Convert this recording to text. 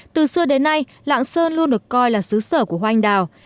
từ xưa đến nay lạng sơn luôn được coi là xứ sở của hoa anh đào